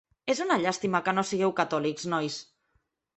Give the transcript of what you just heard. És una llàstima que no sigueu catòlics, nois.